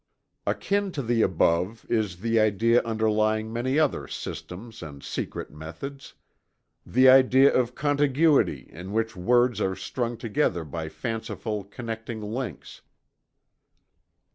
Akin to the above is the idea underlying many other "systems," and "secret methods" the idea of Contiguity, in which words are strung together by fanciful connecting links.